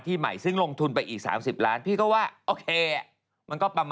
ที่ใหม่ลงทุนไปอีก๓๐ล้าน